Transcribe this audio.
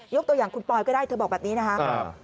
ตัวอย่างคุณปอยก็ได้เธอบอกแบบนี้นะคะ